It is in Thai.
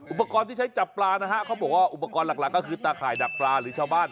อุปกรณ์ที่ใช้จับปลานะฮะเขาบอกว่าอุปกรณ์หลักก็คือตาข่ายดักปลาหรือชาวบ้าน